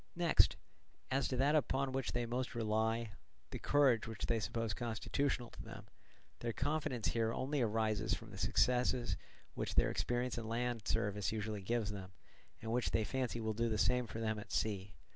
Next, as to that upon which they most rely, the courage which they suppose constitutional to them, their confidence here only arises from the success which their experience in land service usually gives them, and which they fancy will do the same for them at sea.